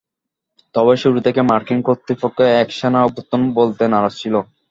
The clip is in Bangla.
তবে শুরু থেকে মার্কিন কর্তৃপক্ষ একে সেনা অভ্যুত্থান বলতে নারাজ ছিল।